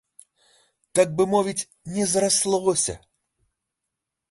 Так бы мовіць, не зраслося.